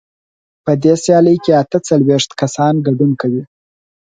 په دې سیالۍ کې اته څلوېښت کسان ګډون کوي.